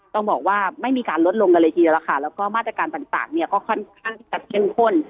ต้องบอกว่าไม่มีการลดลงกันเลยทีเดียวล่ะค่ะแล้วก็มาตรการต่างเนี่ยก็ค่อนข้างที่จะเข้มข้น